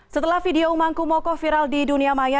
setelah video umangku mokoh viral di dunia maya